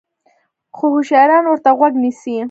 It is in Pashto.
خو هوشیاران ورته غوږ نیسي.